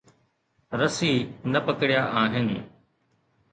رسي نه پڪڙيا آهن.